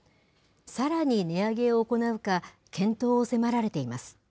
さらに値上げを行うか、検討を迫られています。